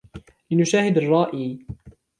لنشاهد الرائي.